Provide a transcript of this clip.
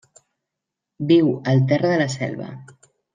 Viu al terra de la selva.